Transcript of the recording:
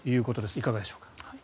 いかがでしょうか。